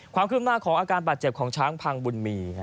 ความคืบหน้าของอาการบาดเจ็บของช้างพังบุญมี